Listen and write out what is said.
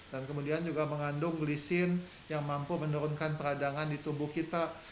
dan kemudian juga mengandung glisin yang mampu menurunkan peradangan di tubuh kita